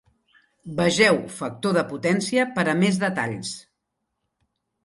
Vegeu factor de potència per a més detalls.